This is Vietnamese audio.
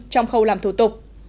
trong khâu làm thủ tục